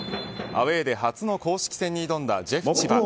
アウェーで初の公式戦に臨んだジェフ千葉。